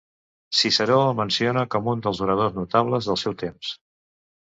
Ciceró el menciona com un dels oradors notables del seu temps.